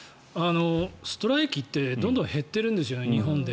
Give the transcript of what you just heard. ストライキってどんどん減ってるんですよね、日本で。